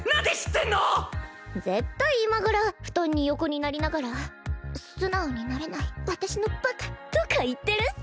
絶対今頃布団に横になりながら「素直になれない私のバカ」とか言ってるっス。